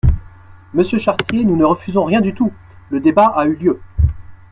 Monsieur Chartier, nous ne refusons rien du tout : le débat a eu lieu.